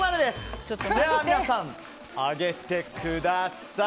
では皆さん、上げてください。